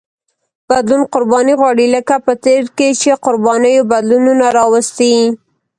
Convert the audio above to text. بدلون قرباني غواړي لکه په تېر کې چې قربانیو بدلونونه راوستي.